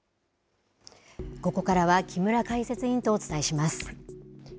ここからは木村解説委員とお伝えします。